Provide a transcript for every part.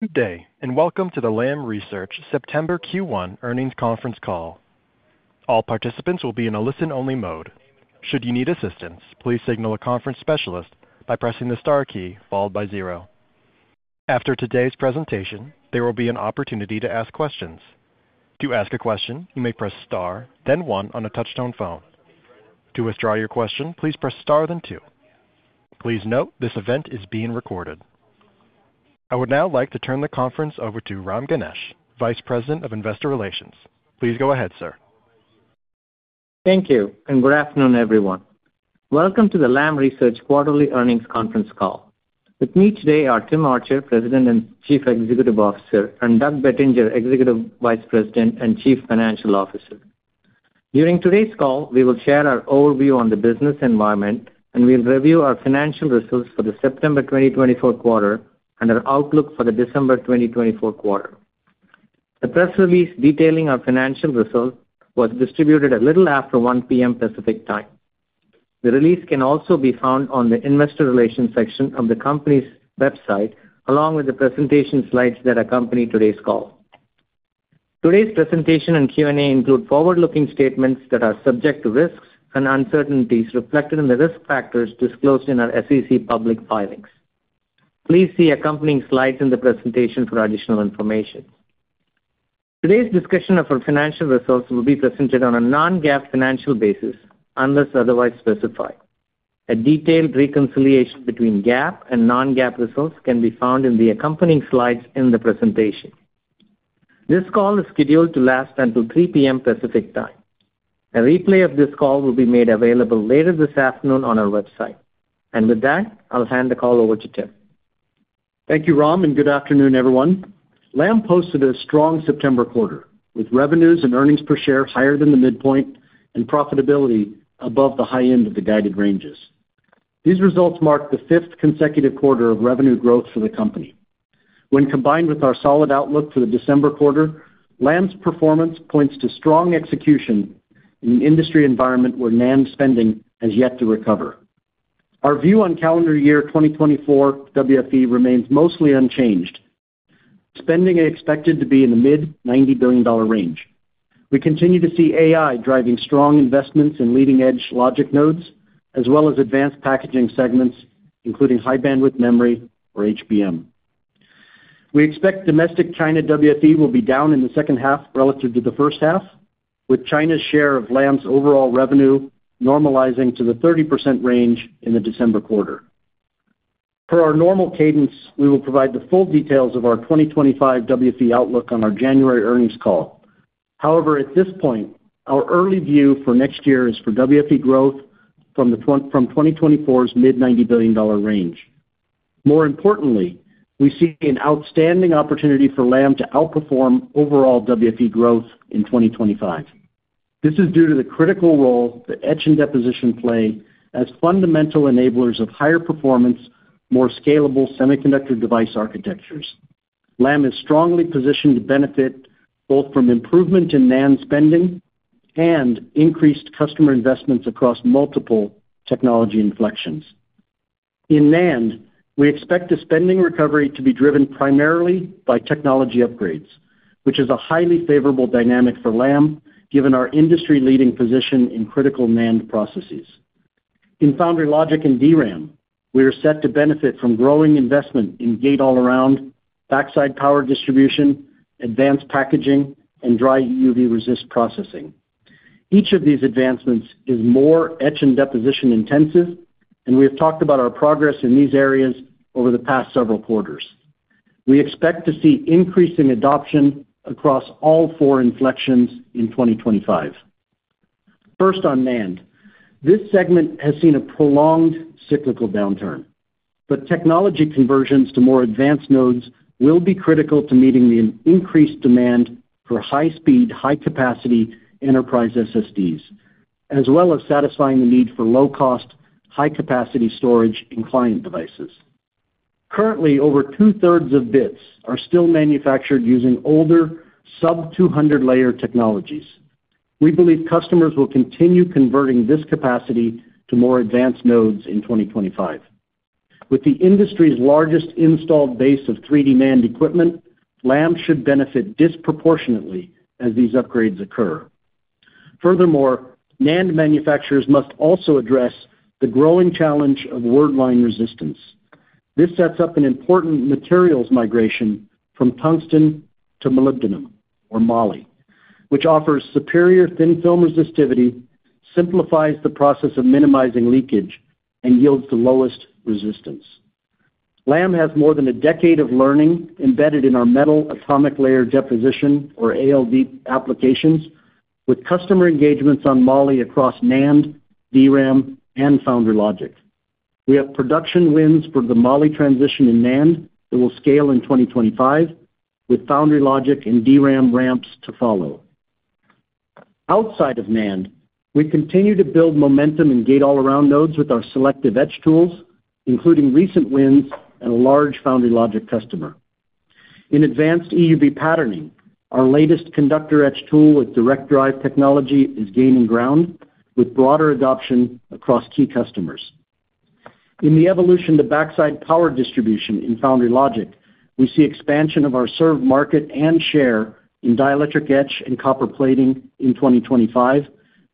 Good day, and welcome to the Lam Research September Q1 Earnings Conference Call. All participants will be in a listen-only mode. Should you need assistance, please signal a conference specialist by pressing the star key followed by zero. After today's presentation, there will be an opportunity to ask questions. To ask a question, you may press star, then one on a touch-tone phone. To withdraw your question, please press star, then two. Please note, this event is being recorded. I would now like to turn the conference over to Ram Ganesh, Vice President of Investor Relations. Please go ahead, sir. Thank you, and good afternoon, everyone. Welcome to the Lam Research Quarterly Earnings Conference Call. With me today are Tim Archer, President and Chief Executive Officer, and Doug Bettinger, Executive Vice President and Chief Financial Officer. During today's call, we will share our overview on the business environment, and we'll review our financial results for the September 2024 quarter and our outlook for the December 2024 quarter. The press release detailing our financial results was distributed a little after 1:00 P.M. Pacific Time. The release can also be found on the Investor Relations section of the company's website, along with the presentation slides that accompany today's call. Today's presentation and Q&A include forward-looking statements that are subject to risks and uncertainties reflected in the risk factors disclosed in our SEC public filings. Please see accompanying slides in the presentation for additional information. Today's discussion of our financial results will be presented on a non-GAAP financial basis, unless otherwise specified. A detailed reconciliation between GAAP and non-GAAP results can be found in the accompanying slides in the presentation. This call is scheduled to last until 3:00 P.M. Pacific Time. A replay of this call will be made available later this afternoon on our website. And with that, I'll hand the call over to Tim. Thank you, Ram, and good afternoon, everyone. Lam posted a strong September quarter, with revenues and earnings per share higher than the midpoint and profitability above the high end of the guided ranges. These results mark the fifth consecutive quarter of revenue growth for the company. When combined with our solid outlook for the December quarter, Lam's performance points to strong execution in an industry environment where NAND spending has yet to recover. Our view on calendar year 2024 WFE remains mostly unchanged. Spending is expected to be in the mid-$90 billion range. We continue to see AI driving strong investments in leading-edge logic nodes, as well as advanced packaging segments, including high-bandwidth memory, or HBM. We expect domestic China WFE will be down in the second half relative to the first half, with China's share of Lam's overall revenue normalizing to the 30% range in the December quarter. Per our normal cadence, we will provide the full details of our twenty twenty-five WFE outlook on our January earnings call. However, at this point, our early view for next year is for WFE growth from twenty twenty-four's mid-$90 billion range. More importantly, we see an outstanding opportunity for Lam to outperform overall WFE growth in twenty twenty-five. This is due to the critical role that etch and deposition play as fundamental enablers of higher performance, more scalable semiconductor device architectures. Lam is strongly positioned to benefit both from improvement in NAND spending and increased customer investments across multiple technology inflections. In NAND, we expect the spending recovery to be driven primarily by technology upgrades, which is a highly favorable dynamic for Lam, given our industry-leading position in critical NAND processes. In foundry logic and DRAM, we are set to benefit from growing investment in gate-all-around, backside power distribution, advanced packaging, and dry EUV resist processing. Each of these advancements is more etch and deposition intensive, and we have talked about our progress in these areas over the past several quarters. We expect to see increasing adoption across all four inflections in 2025. First, on NAND. This segment has seen a prolonged cyclical downturn, but technology conversions to more advanced nodes will be critical to meeting the increased demand for high-speed, high-capacity enterprise SSDs, as well as satisfying the need for low-cost, high-capacity storage in client devices. Currently, over two-thirds of bits are still manufactured using older sub-200-layer technologies. We believe customers will continue converting this capacity to more advanced nodes in twenty twenty-five. With the industry's largest installed base of 3D NAND equipment, Lam should benefit disproportionately as these upgrades occur. Furthermore, NAND manufacturers must also address the growing challenge of wordline resistance. This sets up an important materials migration from tungsten to molybdenum, or moly, which offers superior thin-film resistivity, simplifies the process of minimizing leakage, and yields the lowest resistance. Lam has more than a decade of learning embedded in our metal atomic layer deposition, or ALD, applications, with customer engagements on moly across NAND, DRAM, and foundry logic. We have production wins for the moly transition in NAND that will scale in twenty twenty-five, with foundry logic and DRAM ramps to follow. Outside of NAND, we continue to build momentum in Gate-All-Around nodes with our selective etch tools, including recent wins and a large foundry logic customer. In advanced EUV patterning, our latest conductor etch tool with Direct drive technology is gaining ground, with broader adoption across key customers. In the evolution to Backside power distribution in foundry logic, we see expansion of our served market and share in dielectric etch and copper plating in 2025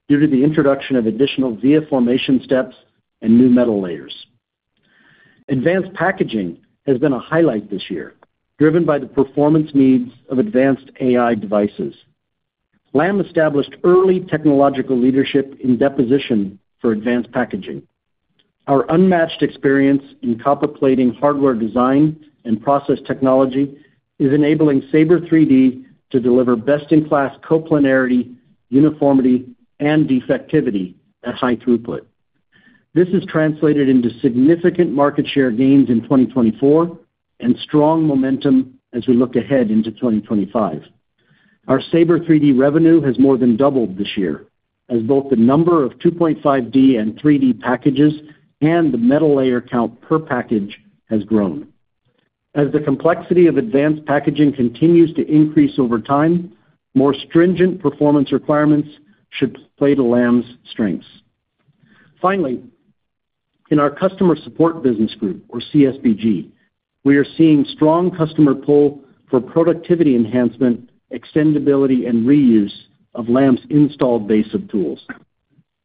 due to the introduction of additional via formation steps and new metal layers. Advanced packaging has been a highlight this year, driven by the performance needs of advanced AI devices. Lam established early technological leadership in deposition for advanced packaging. Our unmatched experience in copper plating, hardware design, and process technology is enabling SABRE 3D to deliver best-in-class coplanarity, uniformity, and defectivity at high throughput. This has translated into significant market share gains in 2024 and strong momentum as we look ahead into 2025. Our Sabre 3D revenue has more than doubled this year, as both the number of 2.5D and 3D packages and the metal layer count per package has grown. As the complexity of advanced packaging continues to increase over time, more stringent performance requirements should play to Lam's strengths. Finally, in our customer support business group, or CSBG, we are seeing strong customer pull for productivity enhancement, extendability, and reuse of Lam's installed base of tools.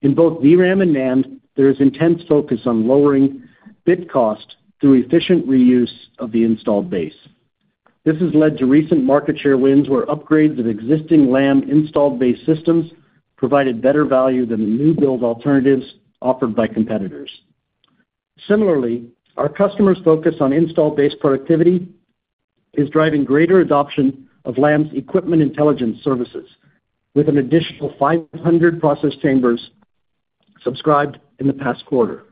In both DRAM and NAND, there is intense focus on lowering bit cost through efficient reuse of the installed base. This has led to recent market share wins, where upgrades of existing Lam installed base systems provided better value than the new build alternatives offered by competitors. Similarly, our customers' focus on installed base productivity is driving greater adoption of Lam's equipment intelligence services, with an additional 500 process chambers subscribed in the past quarter.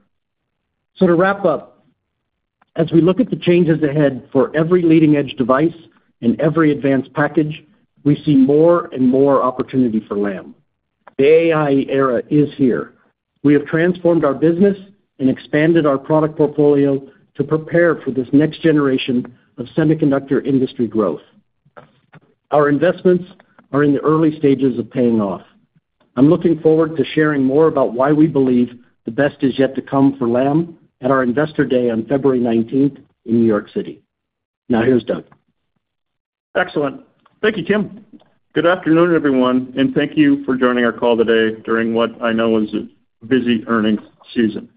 So to wrap up, as we look at the changes ahead for every leading-edge device and every advanced package, we see more and more opportunity for Lam. The AI era is here. We have transformed our business and expanded our product portfolio to prepare for this next generation of semiconductor industry growth. Our investments are in the early stages of paying off. I'm looking forward to sharing more about why we believe the best is yet to come for Lam at our Investor Day on February 19th in New York City. Now, here's Doug. Excellent. Thank you, Tim. Good afternoon, everyone, and thank you for joining our call today during what I know is a busy earnings season.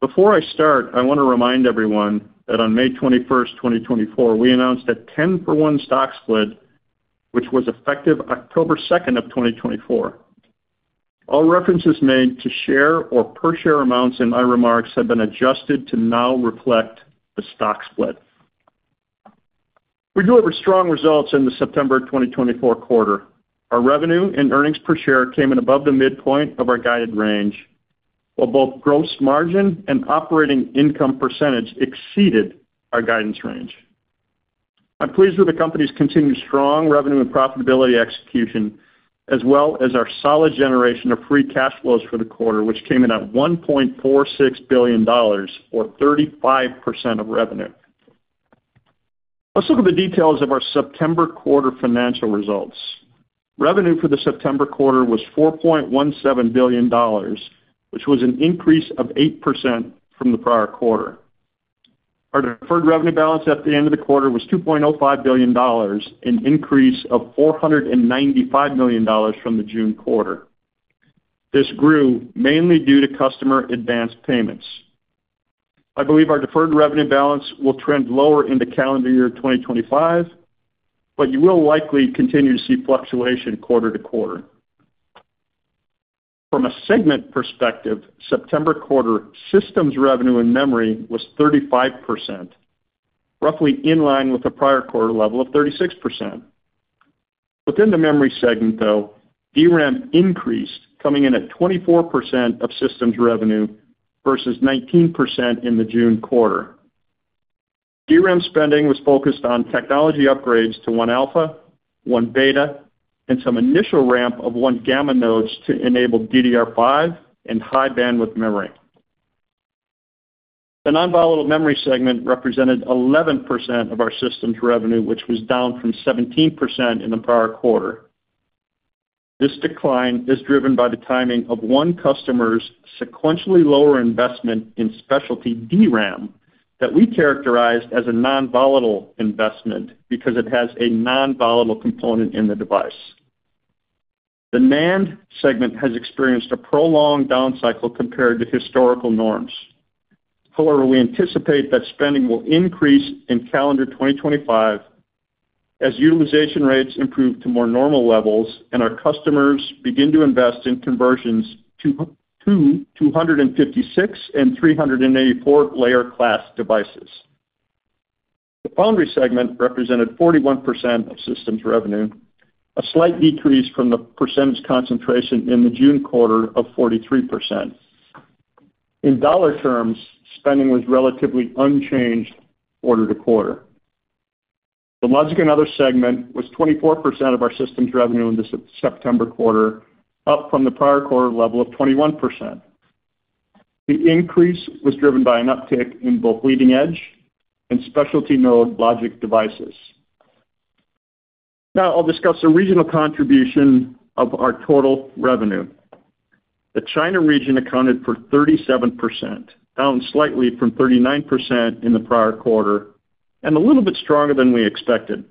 Before I start, I want to remind everyone that on May 21st, twenty twenty-four, we announced a ten-for-one stock split, which was effective October 2nd of twenty twenty-four. All references made to share or per share amounts in my remarks have been adjusted to now reflect the stock split. We delivered strong results in the September twenty twenty-four quarter. Our revenue and earnings per share came in above the midpoint of our guided range, while both gross margin and operating income percentage exceeded our guidance range. I'm pleased with the company's continued strong revenue and profitability execution, as well as our solid generation of free cash flows for the quarter, which came in at $1.46 billion, or 35% of revenue. Let's look at the details of our September quarter financial results. Revenue for the September quarter was $4.17 billion, which was an increase of 8% from the prior quarter. Our deferred revenue balance at the end of the quarter was $2.05 billion, an increase of $495 million from the June quarter. This grew mainly due to customer advanced payments. I believe our deferred revenue balance will trend lower into calendar year 2025, but you will likely continue to see fluctuation quarter to quarter. From a segment perspective, September quarter systems revenue in memory was 35%, roughly in line with the prior quarter level of 36%. Within the memory segment, though, DRAM increased, coming in at 24% of systems revenue versus 19% in the June quarter. DRAM spending was focused on technology upgrades to 1-alpha, 1-beta, and some initial ramp of 1-gamma nodes to enable DDR5 and high-bandwidth memory. The non-volatile memory segment represented 11% of our systems revenue, which was down from 17% in the prior quarter. This decline is driven by the timing of one customer's sequentially lower investment in specialty DRAM that we characterized as a non-volatile investment because it has a non-volatile component in the device. The NAND segment has experienced a prolonged down cycle compared to historical norms. However, we anticipate that spending will increase in calendar 2025 as utilization rates improve to more normal levels and our customers begin to invest in conversions to 256- and 384-layer class devices. The foundry segment represented 41% of systems revenue, a slight decrease from the percentage concentration in the June quarter of 43%. In dollar terms, spending was relatively unchanged quarter to quarter. The logic and other segment was 24% of our systems revenue in the September quarter, up from the prior quarter level of 21%. The increase was driven by an uptick in both leading-edge and specialty node logic devices. Now I'll discuss the regional contribution of our total revenue. The China region accounted for 37%, down slightly from 39% in the prior quarter, and a little bit stronger than we expected.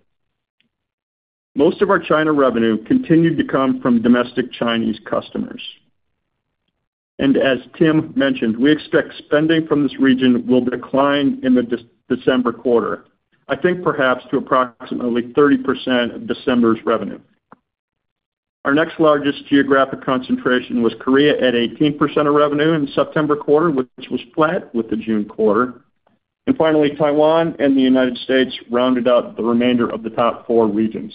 Most of our China revenue continued to come from domestic Chinese customers. And as Tim mentioned, we expect spending from this region will decline in the December quarter, I think perhaps to approximately 30% of December's revenue. Our next largest geographic concentration was Korea, at 18% of revenue in September quarter, which was flat with the June quarter. And finally, Taiwan and the United States rounded out the remainder of the top four regions.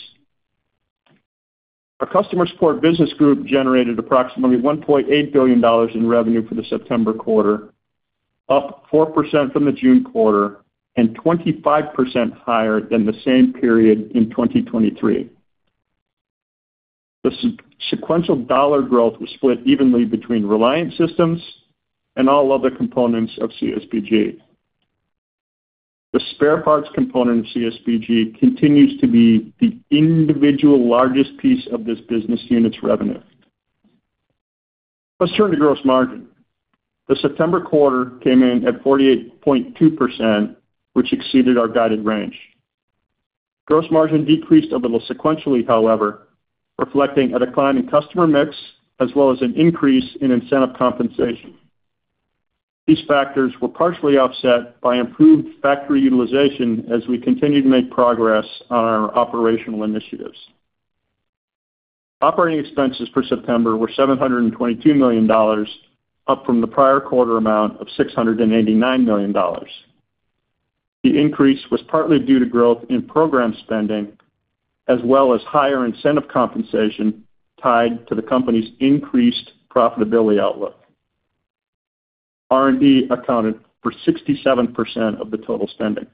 Our customer support business group generated approximately $1.8 billion in revenue for the September quarter, up 4% from the June quarter and 25% higher than the same period in 2023. The sequential dollar growth was split evenly between Reliant systems and all other components of CSBG. The spare parts component of CSBG continues to be the individual largest piece of this business unit's revenue. Let's turn to gross margin. The September quarter came in at 48.2%, which exceeded our guided range. Gross margin decreased a little sequentially, however, reflecting a decline in customer mix as well as an increase in incentive compensation. These factors were partially offset by improved factory utilization as we continue to make progress on our operational initiatives. Operating expenses for September were $722 million, up from the prior quarter amount of $689 million. The increase was partly due to growth in program spending, as well as higher incentive compensation tied to the company's increased profitability outlook. R&D accounted for 67% of the total spending.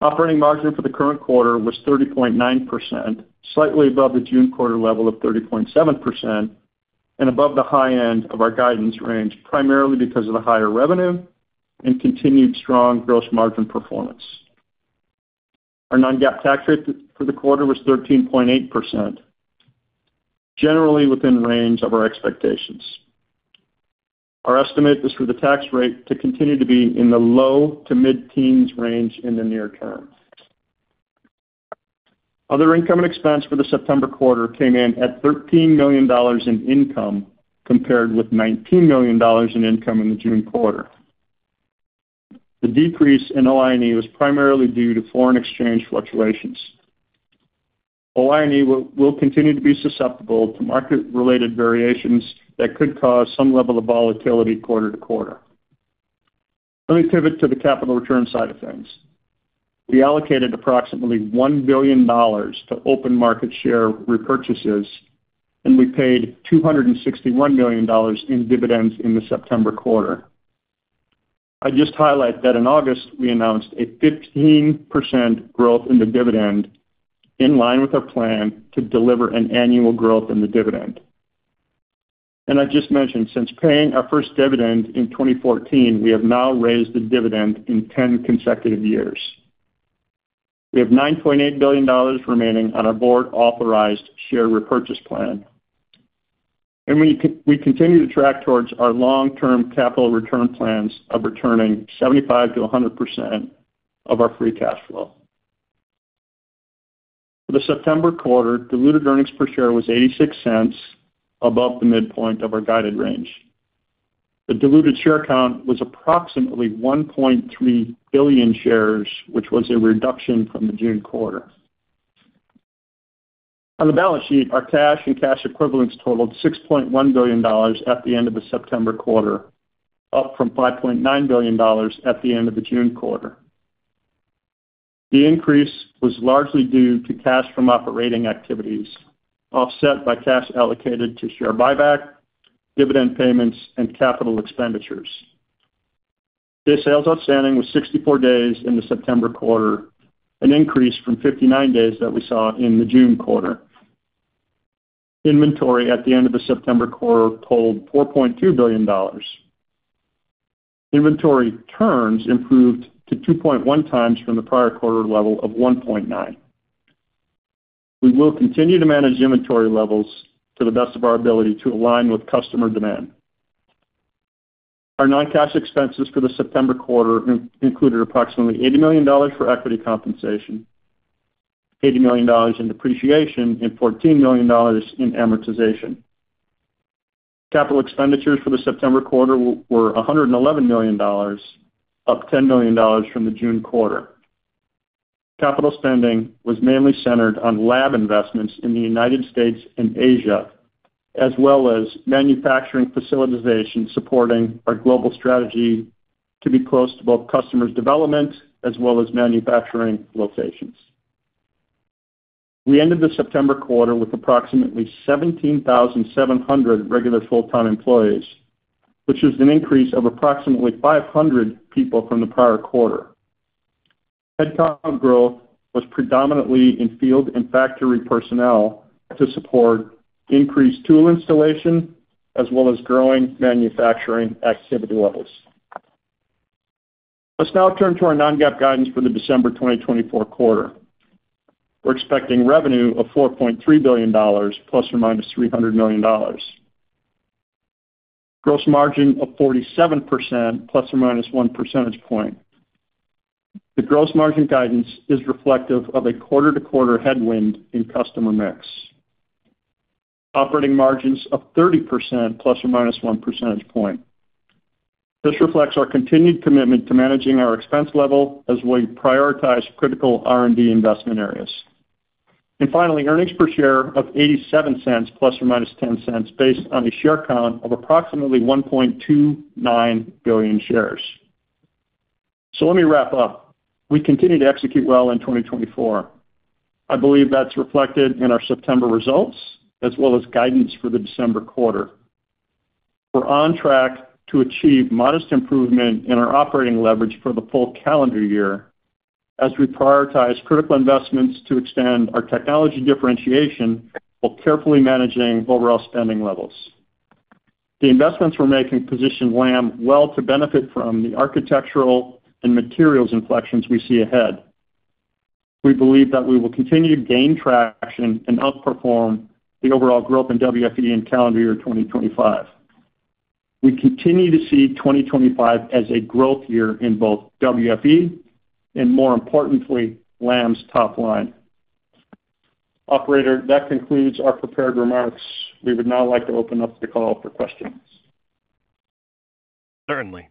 Operating margin for the current quarter was 30.9%, slightly above the June quarter level of 30.7%, and above the high end of our guidance range, primarily because of the higher revenue and continued strong gross margin performance. Our non-GAAP tax rate for the quarter was 13.8%, generally within range of our expectations. Our estimate is for the tax rate to continue to be in the low- to mid-teens range in the near term. Other income and expense for the September quarter came in at $13 million in income, compared with $19 million in income in the June quarter. The decrease in OINE was primarily due to foreign exchange fluctuations. OINE will continue to be susceptible to market-related variations that could cause some level of volatility quarter to quarter. Let me pivot to the capital return side of things. We allocated approximately $1 billion to open market share repurchases, and we paid $261 million in dividends in the September quarter. I'd just highlight that in August, we announced a 15% growth in the dividend, in line with our plan to deliver an annual growth in the dividend. I just mentioned, since paying our first dividend in 2014, we have now raised the dividend in ten consecutive years. We have $9.8 billion remaining on our board-authorized share repurchase plan, and we continue to track towards our long-term capital return plans of returning 75%-100% of our free cash flow. For the September quarter, diluted earnings per share was $0.86 above the midpoint of our guided range. The diluted share count was approximately 1.3 billion shares, which was a reduction from the June quarter. On the balance sheet, our cash and cash equivalents totaled $6.1 billion at the end of the September quarter, up from $5.9 billion at the end of the June quarter. The increase was largely due to cash from operating activities, offset by cash allocated to share buyback, dividend payments, and capital expenditures. Day sales outstanding was 64 days in the September quarter, an increase from 59 days that we saw in the June quarter. Inventory at the end of the September quarter totaled $4.2 billion. Inventory turns improved to 2.1 times from the prior quarter level of 1.9. We will continue to manage inventory levels to the best of our ability to align with customer demand. Our non-cash expenses for the September quarter included approximately $80 million for equity compensation, $80 million in depreciation, and $14 million in amortization. Capital expenditures for the September quarter were $111 million, up $10 million from the June quarter. Capital spending was mainly centered on lab investments in the United States and Asia, as well as manufacturing facilitization, supporting our global strategy to be close to both customers' development as well as manufacturing locations. We ended the September quarter with approximately 17,700 regular full-time employees, which is an increase of approximately 500 people from the prior quarter. Headcount growth was predominantly in field and factory personnel to support increased tool installation, as well as growing manufacturing activity levels. Let's now turn to our non-GAAP guidance for the December 2024 quarter. We're expecting revenue of $4.3 billion, plus or minus $300 million. Gross margin of 47%, plus or minus one percentage point. The gross margin guidance is reflective of a quarter-to-quarter headwind in customer mix. Operating margins of 30%, plus or minus one percentage point. This reflects our continued commitment to managing our expense level as we prioritize critical R&D investment areas. And finally, earnings per share of $0.87, plus or minus $0.10, based on a share count of approximately 1.29 billion shares. So let me wrap up. We continue to execute well in 2024. I believe that's reflected in our September results, as well as guidance for the December quarter. We're on track to achieve modest improvement in our operating leverage for the full calendar year as we prioritize critical investments to extend our technology differentiation, while carefully managing overall spending levels. The investments we're making position Lam well to benefit from the architectural and materials inflections we see ahead. We believe that we will continue to gain traction and outperform the overall growth in WFE in calendar year 2025. We continue to see 2025 as a growth year in both WFE and, more importantly, Lam's top line. Operator, that concludes our prepared remarks. We would now like to open up the call for questions. Certainly.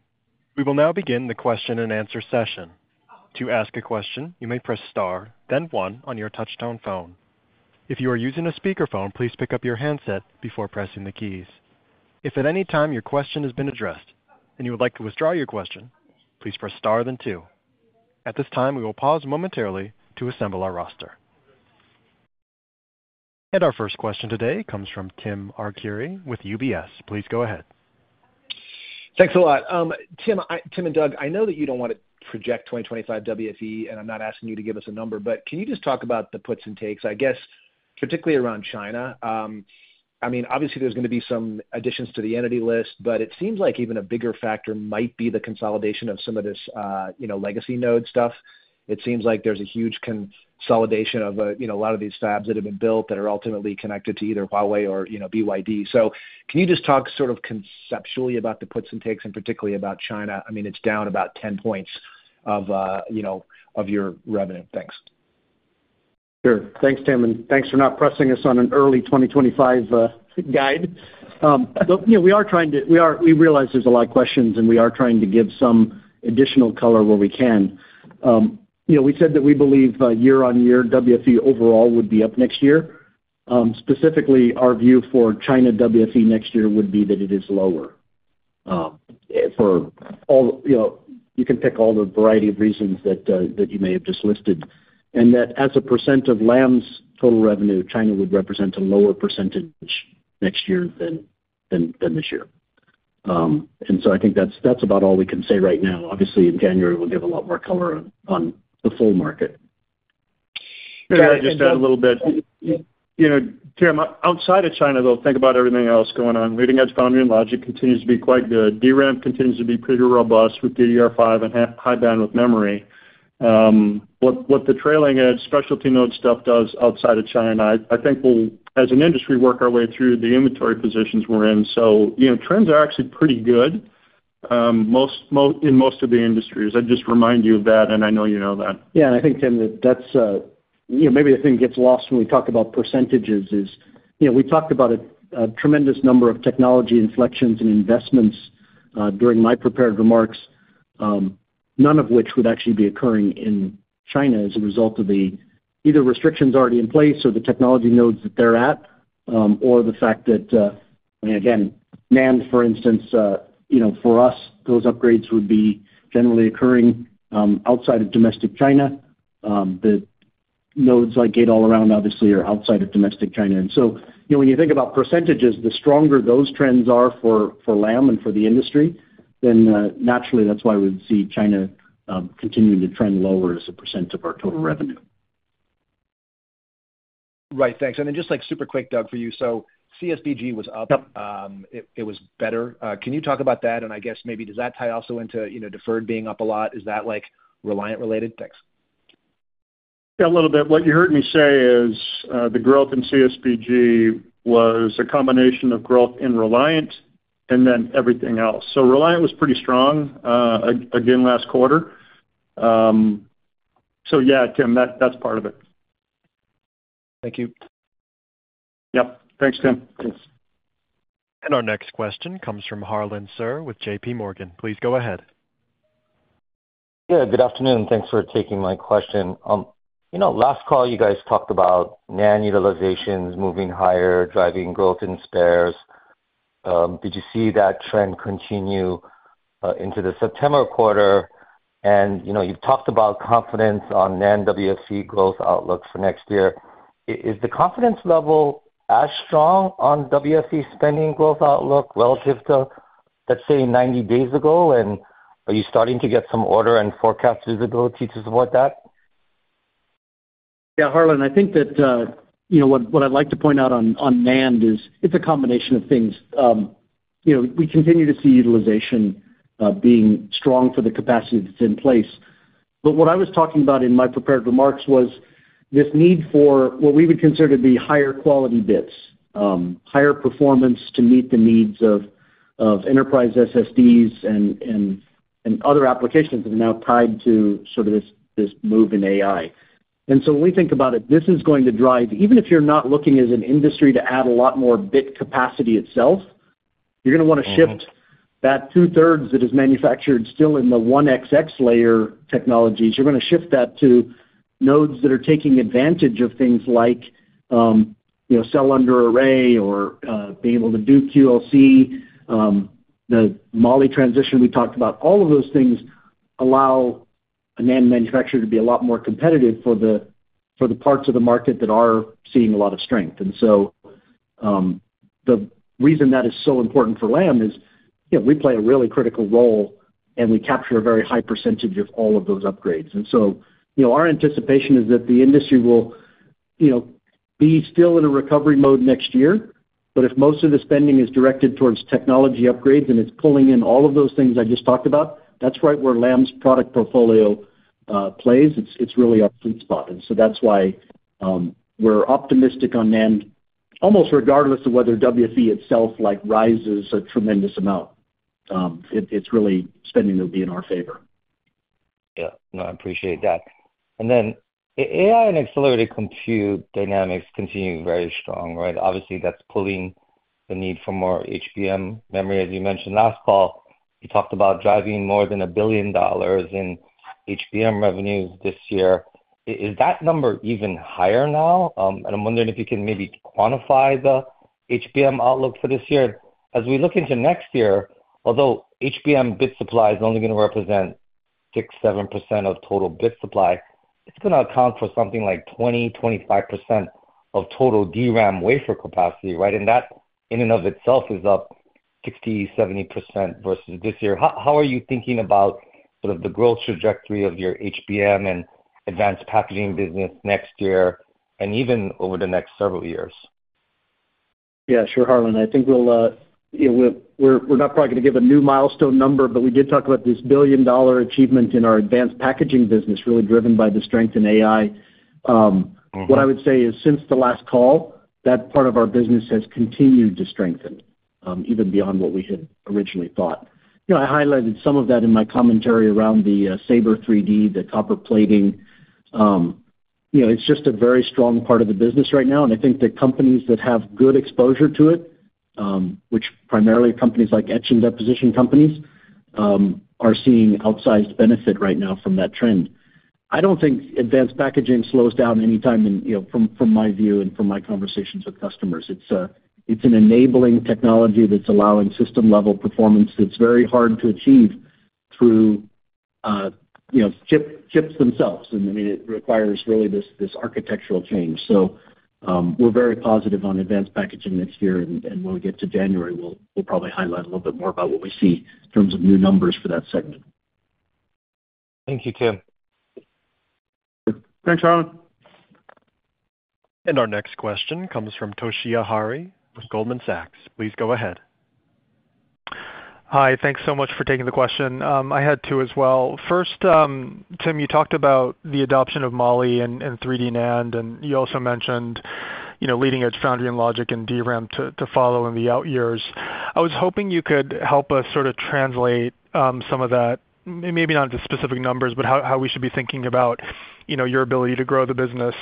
We will now begin the question-and-answer session. To ask a question, you may press star, then one on your touch-tone phone. If you are using a speakerphone, please pick up your handset before pressing the keys. If at any time your question has been addressed and you would like to withdraw your question, please press star, then two. At this time, we will pause momentarily to assemble our roster, and our first question today comes from Tim Arcuri with UBS. Please go ahead. Thanks a lot. Tim, Tim and Doug, I know that you don't want to project 2025 WFE, and I'm not asking you to give us a number, but can you just talk about the puts and takes, I guess, particularly around China? I mean, obviously, there's going to be some additions to the entity list, but it seems like even a bigger factor might be the consolidation of some of this, you know, legacy node stuff. It seems like there's a huge consolidation of, you know, a lot of these fabs that have been built that are ultimately connected to either Huawei or, you know, BYD. So can you just talk sort of conceptually about the puts and takes, and particularly about China? I mean, it's down about ten points of, you know, of your revenue. Thanks. Sure. Thanks, Tim, and thanks for not pressing us on an early 2025 guide. Look, you know, we are trying to realize there's a lot of questions, and we are trying to give some additional color where we can. You know, we said that we believe year-on-year WFE overall would be up next year. Specifically, our view for China WFE next year would be that it is lower. You know, you can pick all the variety of reasons that you may have just listed, and that as a percent of Lam's total revenue, China would represent a lower percentage next year than this year. And so I think that's about all we can say right now. Obviously, in January, we'll give a lot more color on the full market. Can I just add a little bit? You know, Tim, outside of China, though, think about everything else going on. Leading-edge foundry and logic continues to be quite good. DRAM continues to be pretty robust with DDR5 and high-bandwidth memory. What the trailing-edge specialty node stuff does outside of China, I think we'll, as an industry, work our way through the inventory positions we're in. So, you know, trends are actually pretty good, in most of the industries. I'd just remind you of that, and I know you know that. Yeah, I think, Tim, that that's, you know, maybe the thing gets lost when we talk about percentages is, you know, we talked about a tremendous number of technology inflections and investments during my prepared remarks, none of which would actually be occurring in China as a result of either the restrictions already in place or the technology nodes that they're at, or the fact that, again, NAND, for instance, you know, for us, those upgrades would be generally occurring outside of domestic China. The nodes like Gate-All-Around, obviously, are outside of domestic China. And so, you know, when you think about percentages, the stronger those trends are for Lam and for the industry, then naturally, that's why we see China continuing to trend lower as a % of our total revenue. Right. Thanks. And then just, like, super quick, Doug, for you. So CSBG was up. Yep. It was better. Can you talk about that? And I guess maybe does that tie also into, you know, deferred being up a lot? Is that, like, Reliant related? Thanks. Yeah, a little bit. What you heard me say is, the growth in CSBG was a combination of growth in Reliant and then everything else. So Reliant was pretty strong, again, last quarter. So yeah, Tim, that's part of it. Thank you. Yep. Thanks, Tim. Thanks. Our next question comes from Harlan Sur with J.P. Morgan. Please go ahead. Yeah, good afternoon, and thanks for taking my question. You know, last call, you guys talked about NAND utilizations moving higher, driving growth in spares. Did you see that trend continue into the September quarter? And, you know, you've talked about confidence on NAND WFE growth outlook for next year. Is the confidence level as strong on WFE spending growth outlook relative to... let's say, ninety days ago? And are you starting to get some order and forecast visibility to support that? Yeah, Harlan, I think that, you know, what I'd like to point out on NAND is it's a combination of things. You know, we continue to see utilization being strong for the capacity that's in place. But what I was talking about in my prepared remarks was this need for what we would consider to be higher quality bits, higher performance to meet the needs of enterprise SSDs and other applications that are now tied to sort of this move in AI. And so when we think about it, this is going to drive, even if you're not looking as an industry to add a lot more bit capacity itself, you're gonna wanna shift that two-thirds that is manufactured still in the one XX layer technologies. You're gonna shift that to nodes that are taking advantage of things like, you know, cell under array or being able to do QLC, the moly transition we talked about. All of those things allow a NAND manufacturer to be a lot more competitive for the parts of the market that are seeing a lot of strength. And so, the reason that is so important for Lam is, you know, we play a really critical role, and we capture a very high percentage of all of those upgrades. And so, you know, our anticipation is that the industry will, you know, be still in a recovery mode next year. But if most of the spending is directed towards technology upgrades, and it's pulling in all of those things I just talked about, that's right where Lam's product portfolio plays. It's really our sweet spot. And so that's why we're optimistic on NAND, almost regardless of whether WFE itself, like, rises a tremendous amount. It's really spending will be in our favor. Yeah. No, I appreciate that. And then, AI and accelerated compute dynamics continue very strong, right? Obviously, that's pulling the need for more HBM memory. As you mentioned last fall, you talked about driving more than $1 billion in HBM revenues this year. Is that number even higher now? And I'm wondering if you can maybe quantify the HBM outlook for this year. As we look into next year, although HBM bit supply is only gonna represent 6-7% of total bit supply, it's gonna account for something like 20-25% of total DRAM wafer capacity, right? And that, in and of itself, is up 60-70% versus this year. How are you thinking about sort of the growth trajectory of your HBM and advanced packaging business next year, and even over the next several years? Yeah, sure, Harlan. I think we'll, you know, we're not probably gonna give a new milestone number, but we did talk about this billion-dollar achievement in our advanced packaging business, really driven by the strength in AI. Mm-hmm. What I would say is, since the last call, that part of our business has continued to strengthen, even beyond what we had originally thought. You know, I highlighted some of that in my commentary around the Sabre 3D, the copper plating. You know, it's just a very strong part of the business right now, and I think the companies that have good exposure to it, which primarily are companies like etch and deposition companies, are seeing outsized benefit right now from that trend. I don't think advanced packaging slows down anytime in, you know, from my view and from my conversations with customers. It's an enabling technology that's allowing system-level performance that's very hard to achieve through, you know, chip, chips themselves. And, I mean, it requires really this architectural change. We're very positive on advanced packaging next year, and when we get to January, we'll probably highlight a little bit more about what we see in terms of new numbers for that segment. Thank you, Tim. Thanks, Harlan. Our next question comes from Toshiya Hari with Goldman Sachs. Please go ahead. Hi. Thanks so much for taking the question. I had two as well. First, Tim, you talked about the adoption of moly and 3D NAND, and you also mentioned, you know, leading-edge foundry and logic and DRAM to follow in the out years. I was hoping you could help us sort of translate some of that, maybe not into specific numbers, but how we should be thinking about, you know, your ability to grow the business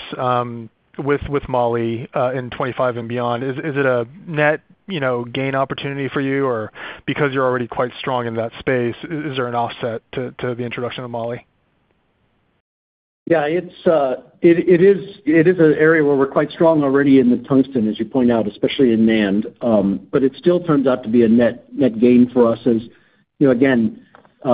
with moly in 2025 and beyond. Is it a net, you know, gain opportunity for you, or because you're already quite strong in that space, is there an offset to the introduction of moly? Yeah, it's. It is an area where we're quite strong already in the tungsten, as you point out, especially in NAND, but it still turns out to be a net gain for us. As you know, again,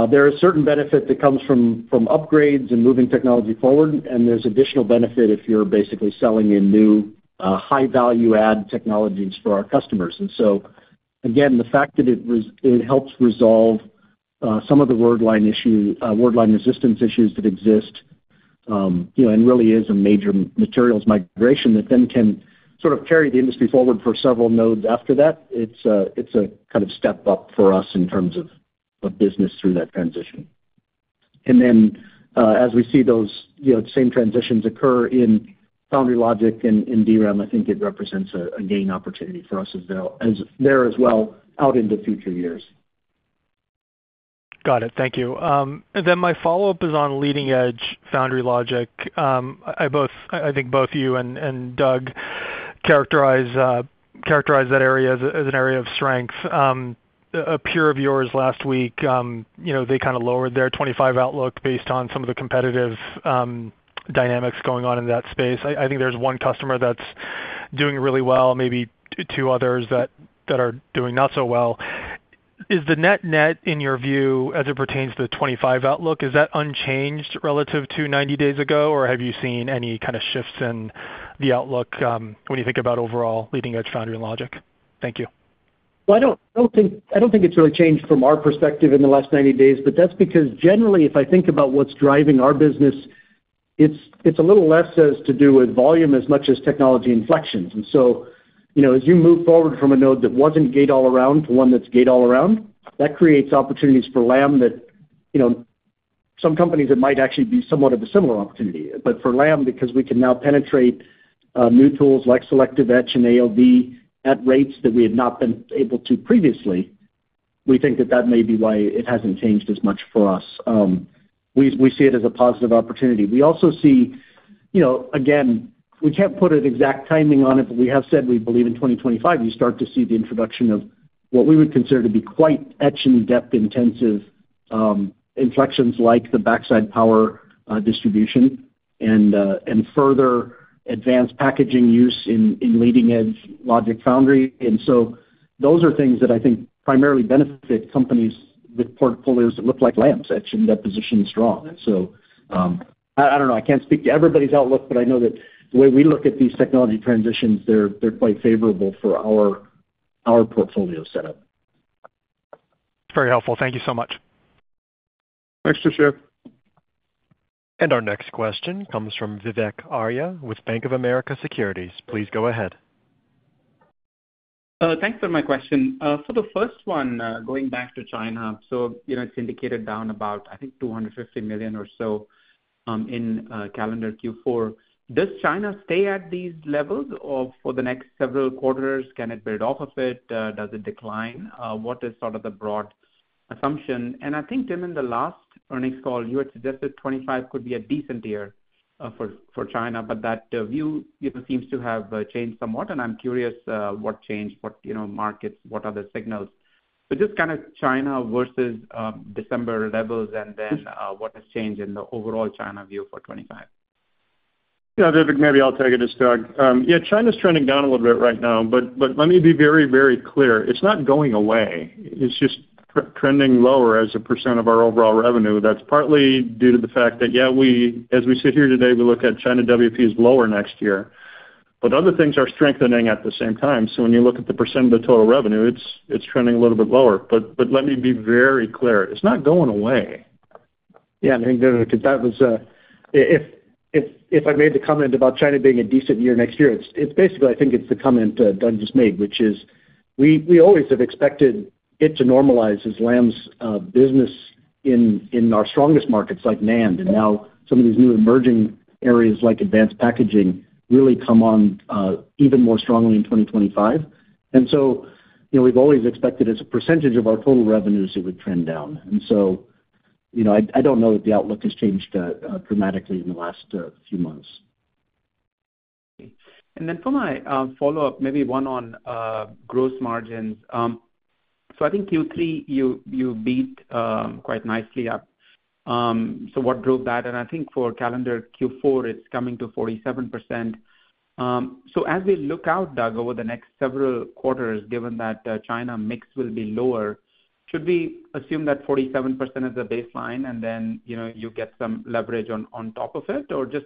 there are certain benefit that comes from upgrades and moving technology forward, and there's additional benefit if you're basically selling in new high-value add technologies for our customers. And so, again, the fact that it helps resolve some of the wordline issue, wordline resistance issues that exist, you know, and really is a major materials migration that then can sort of carry the industry forward for several nodes after that. It's a kind of step up for us in terms of business through that transition. Then, as we see those, you know, same transitions occur in foundry logic and in DRAM, I think it represents a gain opportunity for us as well as there as well out into future years. Got it. Thank you, and then my follow-up is on leading-edge foundry logic. I think both you and Doug characterize that area as an area of strength. A peer of yours last week, you know, they kind of lowered their 2025 outlook based on some of the competitive dynamics going on in that space. I think there's one customer that's doing really well, maybe two others that are doing not so well. Is the net net, in your view, as it pertains to the 2025 outlook, is that unchanged relative to ninety days ago, or have you seen any kind of shifts in the outlook, when you think about overall leading-edge foundry and logic? Thank you. I don't think it's really changed from our perspective in the last ninety days, but that's because generally, if I think about what's driving our business, it's a little less to do with volume as much as technology inflections. And so, you know, as you move forward from a node that wasn't gate all around to one that's gate all around, that creates opportunities for Lam that, you know, some companies, it might actually be somewhat of a similar opportunity. But for Lam, because we can now penetrate new tools like selective etch and ALD at rates that we had not been able to previously, we think that that may be why it hasn't changed as much for us. We see it as a positive opportunity. We also see, you know, again, we can't put an exact timing on it, but we have said we believe in 2025, you start to see the introduction of what we would consider to be quite etch- and dep-intensive inflections, like the backside power distribution and further advanced packaging use in leading-edge logic foundry. And so those are things that I think primarily benefit companies with portfolios that look like Lam's, etch- and dep-positioned strong. So, I don't know. I can't speak to everybody's outlook, but I know that the way we look at these technology transitions, they're quite favorable for our portfolio setup. Very helpful. Thank you so much. Thanks, Tushar. Our next question comes from Vivek Arya with Bank of America Securities. Please go ahead. Thanks for my question. For the first one, going back to China, so, you know, it's indicated down about $250 million or so in calendar Q4. Does China stay at these levels for the next several quarters? Can it build off of it? Does it decline? What is sort of the broad assumption? And I think, Tim, in the last earnings call, you had suggested 2025 could be a decent year for China, but that view, you know, seems to have changed somewhat, and I'm curious what changed, what, you know, markets, what are the signals? So just kind of China versus December levels, and then what has changed in the overall China view for 2025. Yeah, Vivek, maybe I'll take it. It's Doug. Yeah, China's trending down a little bit right now, but, but let me be very, very clear. It's not going away. It's just trending lower as a % of our overall revenue. That's partly due to the fact that, yeah, we, as we sit here today, look at China WP as lower next year, but other things are strengthening at the same time. So when you look at the % of the total revenue, it's trending a little bit lower. But, but let me be very clear, it's not going away. Yeah, and I think that was, if I made the comment about China being a decent year next year, it's basically, I think it's the comment Doug just made, which is we always have expected it to normalize as Lam's business in our strongest markets, like NAND, and now some of these new emerging areas like advanced packaging, really come on even more strongly in 2025. And so, you know, we've always expected, as a percentage of our total revenues, it would trend down. And so, you know, I don't know that the outlook has changed dramatically in the last few months. And then for my follow-up, maybe one on gross margins. So I think Q3, you beat quite nicely up. So what drove that? And I think for calendar Q4, it's coming to 47%. So as we look out, Doug, over the next several quarters, given that China mix will be lower, should we assume that 47% is the baseline, and then you know you get some leverage on top of it? Or just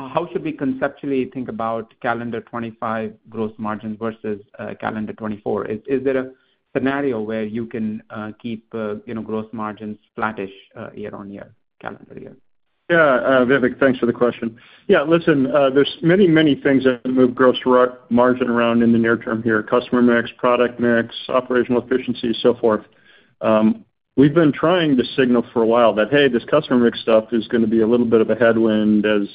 how should we conceptually think about calendar 2025 gross margin versus calendar 2024? Is there a scenario where you can keep you know gross margins flattish year-on-year, calendar year? Yeah, Vivek, thanks for the question. Yeah, listen, there's many, many things that move gross margin around in the near term here, customer mix, product mix, operational efficiency, so forth. We've been trying to signal for a while that, hey, this customer mix stuff is gonna be a little bit of a headwind as,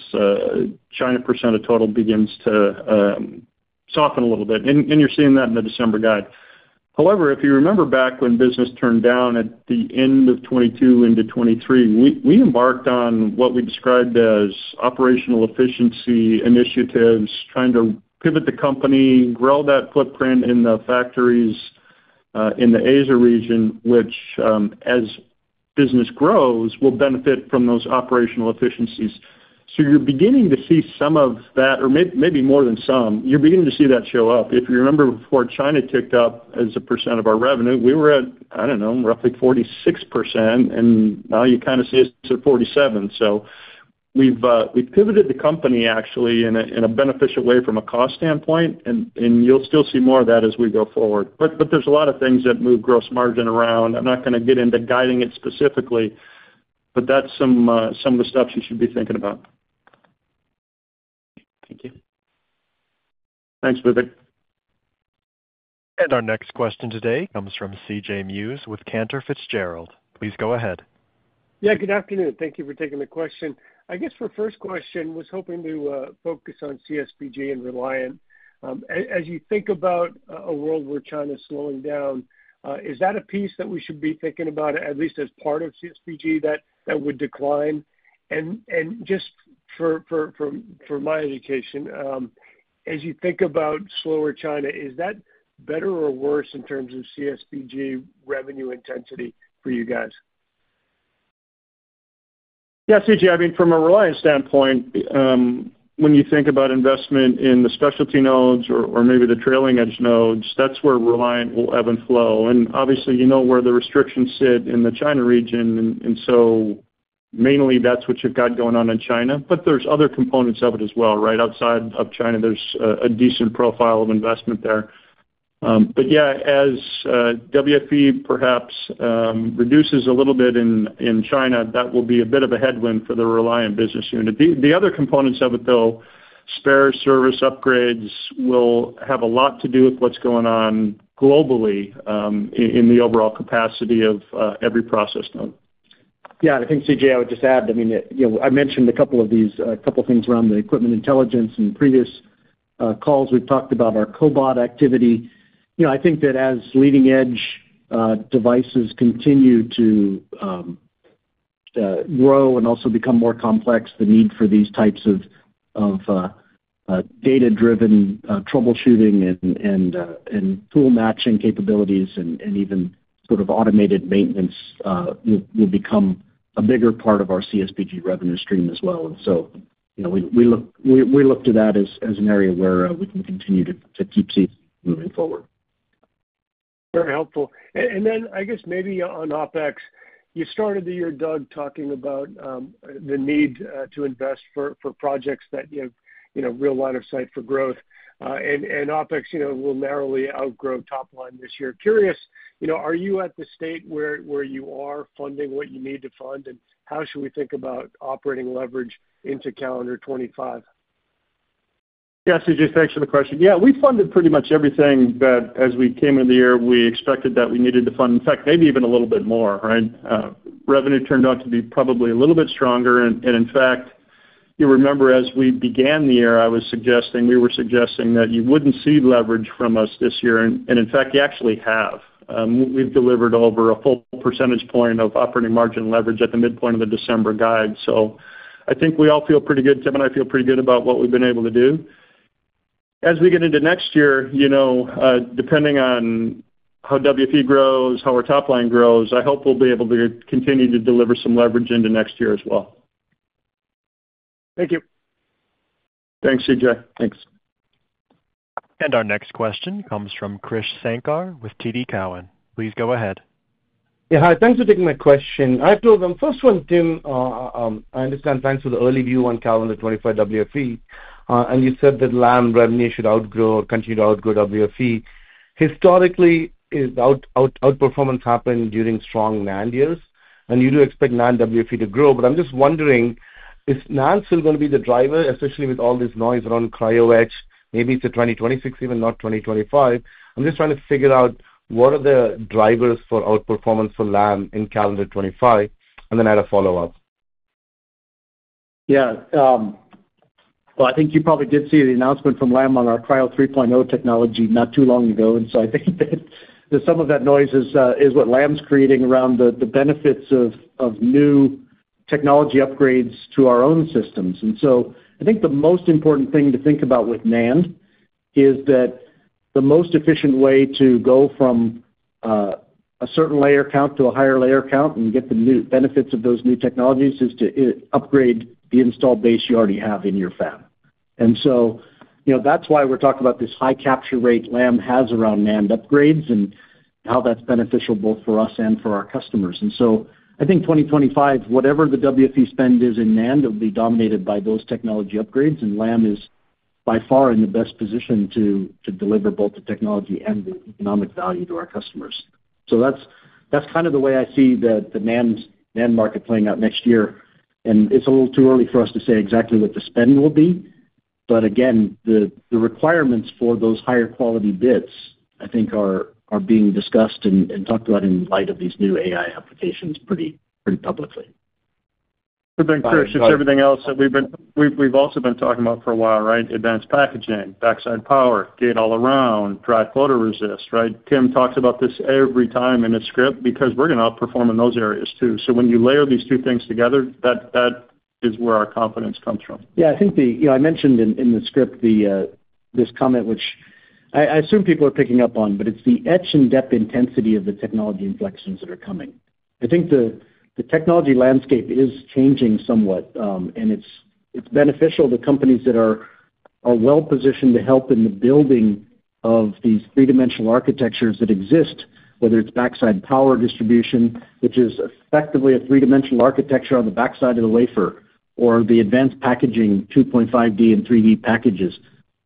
China percent of total begins to, soften a little bit. And you're seeing that in the December guide. However, if you remember back when business turned down at the end of 2022 into 2023, we embarked on what we described as operational efficiency initiatives, trying to pivot the company, grow that footprint in the factories, in the Asia region, which, as business grows, will benefit from those operational efficiencies. So you're beginning to see some of that, or maybe more than some, you're beginning to see that show up. If you remember, before China ticked up as a percent of our revenue, we were at, I don't know, roughly 46%, and now you kind of see us at 47%. So we've pivoted the company actually in a beneficial way from a cost standpoint, and you'll still see more of that as we go forward. But there's a lot of things that move gross margin around. I'm not gonna get into guiding it specifically, but that's some of the stuff you should be thinking about. Thank you. Thanks, Vivek. Our next question today comes from C.J. Muse with Cantor Fitzgerald. Please go ahead. Yeah, good afternoon. Thank you for taking the question. I guess for first question, was hoping to focus on CSBG and Reliant. As you think about a world where China's slowing down, is that a piece that we should be thinking about, at least as part of CSBG, that would decline? And just for my education, as you think about slower China, is that better or worse in terms of CSBG revenue intensity for you guys? Yeah, C.J., I mean, from a Reliant standpoint, when you think about investment in the specialty nodes or maybe the trailing edge nodes, that's where Reliant will ebb and flow. And obviously, you know, where the restrictions sit in the China region, mainly that's what you've got going on in China, but there's other components of it as well, right? Outside of China, there's a decent profile of investment there. But yeah, as WFE perhaps reduces a little bit in China, that will be a bit of a headwind for the Reliant business unit. The other components of it, though, spare service upgrades will have a lot to do with what's going on globally, in the overall capacity of every process node. Yeah. I think, CJ, I would just add, I mean, you know, I mentioned a couple of these couple things around the equipment intelligence. In previous calls, we've talked about our cobot activity. You know, I think that as leading-edge devices continue to grow and also become more complex, the need for these types of data-driven troubleshooting and tool-matching capabilities and even sort of automated maintenance will become a bigger part of our CSBG revenue stream as well. And so, you know, we look to that as an area where we can continue to keep seeing moving forward. Very helpful. And then I guess maybe on OpEx, you started the year, Doug, talking about the need to invest for projects that give, you know, real line of sight for growth. And OpEx, you know, will narrowly outgrow top line this year. Curious, you know, are you at the state where you are funding what you need to fund? And how should we think about operating leverage into calendar 2025? Yeah, C.J., thanks for the question. Yeah, we funded pretty much everything that as we came into the year, we expected that we needed to fund. In fact, maybe even a little bit more, right? Revenue turned out to be probably a little bit stronger. And, and in fact, you remember, as we began the year, I was suggesting, we were suggesting that you wouldn't see leverage from us this year. And, and in fact, you actually have. We've delivered over a full percentage point of operating margin leverage at the midpoint of the December guide. So I think we all feel pretty good. Tim and I feel pretty good about what we've been able to do. As we get into next year, you know, depending on how WFE grows, how our top line grows, I hope we'll be able to continue to deliver some leverage into next year as well. Thank you. Thanks, C.J. Thanks. Our next question comes from Krish Sankar with TD Cowen. Please go ahead. Yeah, hi. Thanks for taking my question. I have two of them. First one, Tim, I understand thanks for the early view on calendar 2025 WFE, and you said that Lam revenue should outgrow or continue to outgrow WFE. Historically, outperformance happened during strong NAND years, and you do expect NAND WFE to grow. But I'm just wondering, is NAND still gonna be the driver, especially with all this noise around Cryo-X? Maybe it's a 2026, even, not 2025. I'm just trying to figure out what are the drivers for outperformance for Lam in calendar 2025, and then I had a follow-up. Yeah, well, I think you probably did see the announcement from Lam on our Cryo 3.0 technology not too long ago. And so I think that some of that noise is what Lam's creating around the benefits of new technology upgrades to our own systems. And so I think the most important thing to think about with NAND is that the most efficient way to go from a certain layer count to a higher layer count and get the new benefits of those new technologies is to upgrade the installed base you already have in your fab. And so, you know, that's why we're talking about this high capture rate Lam has around NAND upgrades and how that's beneficial both for us and for our customers. And so I think 2025, whatever the WFE spend is in NAND, it'll be dominated by those technology upgrades, and Lam is by far in the best position to deliver both the technology and the economic value to our customers. So that's kind of the way I see the NAND market playing out next year, and it's a little too early for us to say exactly what the spend will be. But again, the requirements for those higher quality bits I think are being discussed and talked about in light of these new AI applications pretty publicly. And Krish, just everything else that we've been. We've also been talking about for a while, right? Advanced packaging, backside power, gate all around, dry photoresist, right? Tim talks about this every time in his script because we're gonna outperform in those areas, too. So when you layer these two things together, that is where our confidence comes from. Yeah, I think. You know, I mentioned in the script, this comment, which I assume people are picking up on, but it's the etch and depth intensity of the technology inflections that are coming. I think the technology landscape is changing somewhat, and it's beneficial to companies that are well positioned to help in the building of these three-dimensional architectures that exist, whether it's backside power distribution, which is effectively a three-dimensional architecture on the backside of the wafer, or the advanced packaging, 2.5D and 3D packages.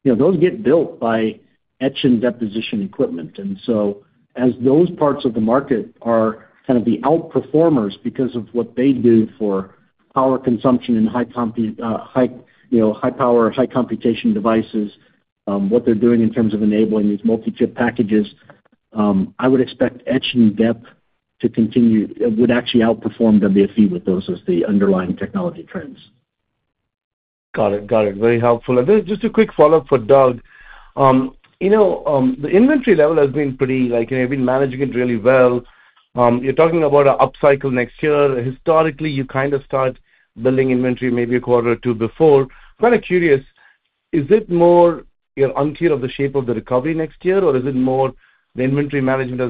You know, those get built by etch and deposition equipment. And so as those parts of the market are kind of the outperformers because of what they do for power consumption and high power, you know, high computation devices, what they're doing in terms of enabling these multi-chip packages, I would expect etch and dep would actually outperform WFE with those as the underlying technology trends. Got it. Got it. Very helpful. And then just a quick follow-up for Doug. You know, the inventory level has been pretty, like, you've been managing it really well. You're talking about an upcycle next year. Historically, you kind of start building inventory maybe a quarter or two before. I'm kind of curious, is it more you're unclear of the shape of the recovery next year, or is it more the inventory management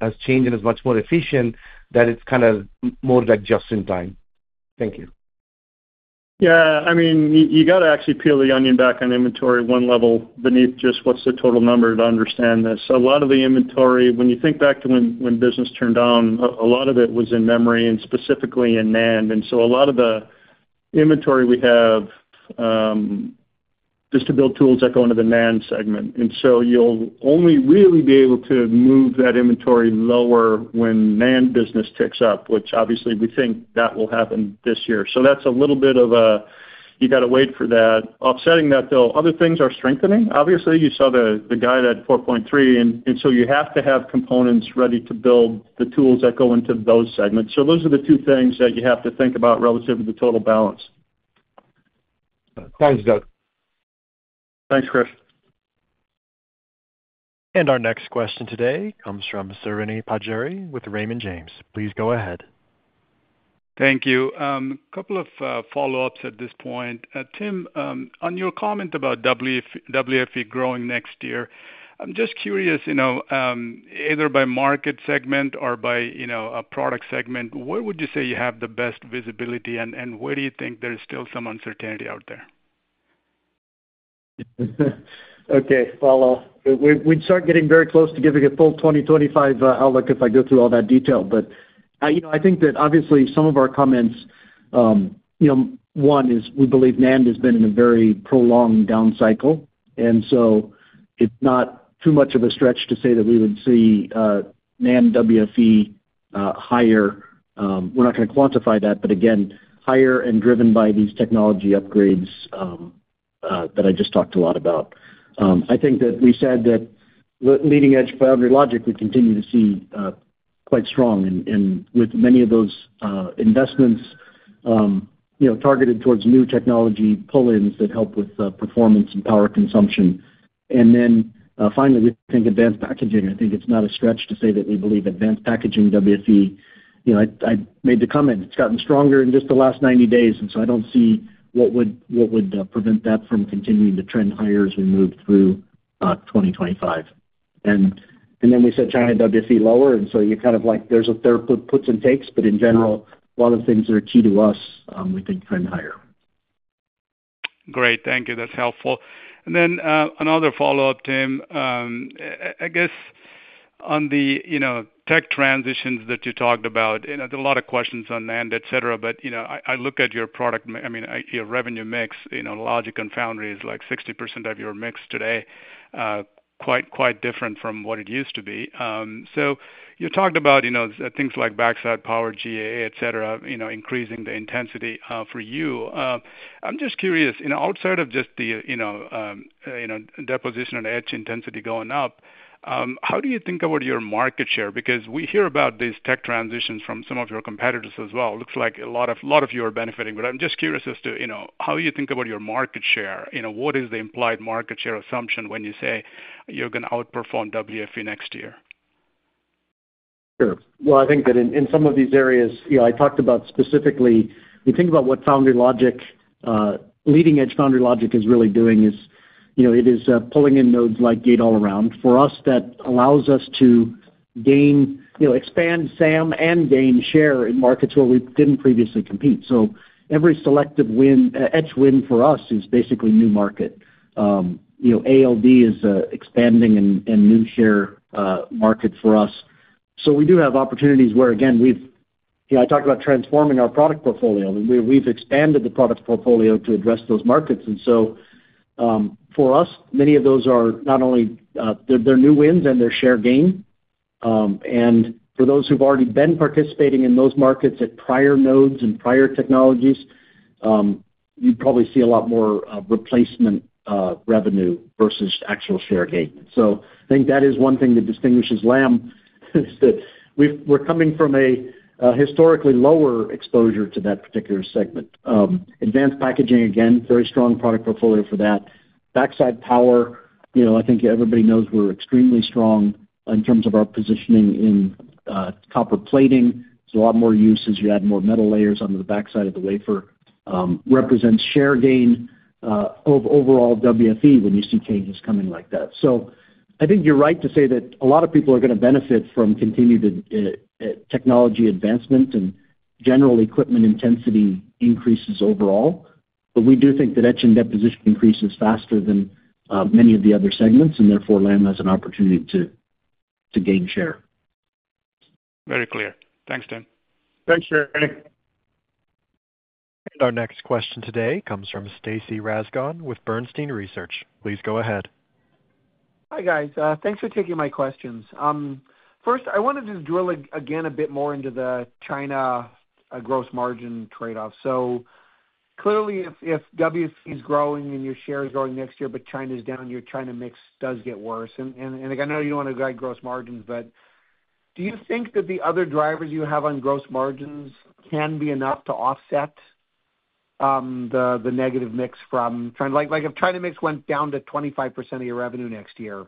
has changed and is much more efficient, that it's kind of more like just in time? Thank you. ... Yeah, I mean, you got to actually peel the onion back on inventory one level beneath just what's the total number to understand this. So a lot of the inventory, when you think back to when business turned down, a lot of it was in memory and specifically in NAND. And so a lot of the inventory we have just to build tools that go into the NAND segment. And so you'll only really be able to move that inventory lower when NAND business picks up, which obviously we think that will happen this year. So that's a little bit of a, you got to wait for that. Offsetting that, though, other things are strengthening. Obviously, you saw the guided at $4.3, and so you have to have components ready to build the tools that go into those segments. So those are the two things that you have to think about relative to the total balance. Thanks, Doug. Thanks, Chris. Our next question today comes from Srini Pajjuri with Raymond James. Please go ahead. Thank you. Couple of follow-ups at this point. Tim, on your comment about WFE growing next year, I'm just curious, you know, either by market segment or by, you know, a product segment, where would you say you have the best visibility, and where do you think there is still some uncertainty out there? Okay, well, we, we'd start getting very close to giving a full 2025 outlook if I go through all that detail. But you know, I think that obviously some of our comments, you know, one, is we believe NAND has been in a very prolonged down cycle, and so it's not too much of a stretch to say that we would see NAND WFE higher. We're not going to quantify that, but again, higher and driven by these technology upgrades that I just talked a lot about. I think that we said that leading-edge foundry logic, we continue to see quite strong and, and with many of those investments, you know, targeted towards new technology pull-ins that help with performance and power consumption. And then, finally, we think advanced packaging. I think it's not a stretch to say that we believe advanced packaging WFE. You know, I made the comment, it's gotten stronger in just the last 90 days, and so I don't see what would prevent that from continuing to trend higher as we move through 2025. And then we said China WFE lower, and so you kind of like, there's puts and takes, but in general, a lot of the things that are key to us, we think trend higher. Great. Thank you. That's helpful. And then another follow-up, Tim. I guess on the, you know, tech transitions that you talked about, and there are a lot of questions on NAND, et cetera, but, you know, I look at your revenue mix, you know, logic and foundry is like 60% of your mix today, quite different from what it used to be. So you talked about, you know, things like backside power, GAA, et cetera, you know, increasing the intensity for you. I'm just curious, you know, outside of just the, you know, deposition and etch intensity going up, how do you think about your market share? Because we hear about these tech transitions from some of your competitors as well. It looks like a lot of you are benefiting, but I'm just curious as to, you know, how you think about your market share. You know, what is the implied market share assumption when you say you're going to outperform WFE next year? Sure. Well, I think that in some of these areas, you know, I talked about specifically. We think about what foundry logic, leading-edge foundry logic is really doing is, you know, it is pulling in nodes like Gate-All-Around. For us, that allows us to gain, you know, expand SAM and gain share in markets where we didn't previously compete. So every selective etch win for us is basically new market. You know, ALD is expanding and new share market for us. So we do have opportunities where, again, we've. You know, I talked about transforming our product portfolio. We, we've expanded the product portfolio to address those markets. And so, for us, many of those are not only, they're new wins and they're share gain. And for those who've already been participating in those markets at prior nodes and prior technologies, you'd probably see a lot more replacement revenue versus actual share gain. So I think that is one thing that distinguishes Lam, is that we're coming from a historically lower exposure to that particular segment. Advanced packaging, again, very strong product portfolio for that. Backside power, you know, I think everybody knows we're extremely strong in terms of our positioning in copper plating. There's a lot more uses. You add more metal layers onto the backside of the wafer, represents share gain overall WFE when you see changes coming like that. So I think you're right to say that a lot of people are going to benefit from continued technology advancement and general equipment intensity increases overall, but we do think that etch and deposition increases faster than many of the other segments, and therefore, Lam has an opportunity to gain share. Very clear. Thanks, Tim. Thanks, Sereny. Our next question today comes from Stacy Rasgon with Bernstein Research. Please go ahead. Hi, guys. Thanks for taking my questions. First, I wanted to drill again, a bit more into the China gross margin trade-off. So clearly, if WFE is growing and your share is growing next year, but China's down, your China mix does get worse. And I know you don't want to guide gross margins, but do you think that the other drivers you have on gross margins can be enough to offset the negative mix from China? Like, if China mix went down to 25% of your revenue next year,